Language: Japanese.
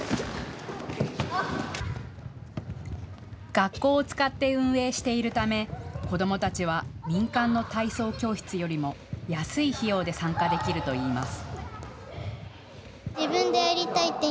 学校を使って運営しているため子どもたちは民間の体操教室よりも安い費用で参加できるといいます。